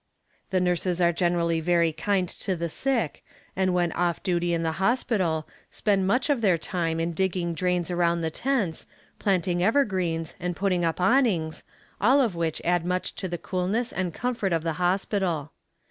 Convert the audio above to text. The nurses are usually very kind to the sick, and when off duty in the hospital, spend much of their time in digging drains around the tents, planting evergreens, and putting up awnings, all of which add much to the coolness and comfort of the hospital.